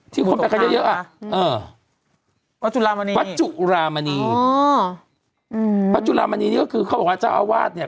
ที่เขาคนไปตกทางนะคะวัตจุลามณีวัตจุลามณีอ๋อวัตจุลามณีนี่ก็คือเขาบอกว่าเจ้าอาวาสเนี่ย